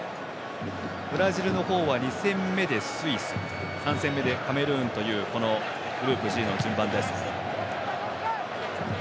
ブラジルの方は２戦目でスイス３戦目でカメルーンというこのグループＧの順番です。